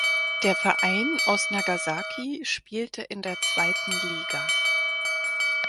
Der Verein aus Nagasaki spielte in der zweiten Liga.